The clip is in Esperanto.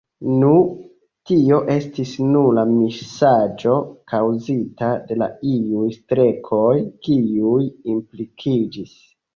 Nu, tio estis nura misaĵo, kaŭzita de iuj strekoj, kiuj implikiĝis.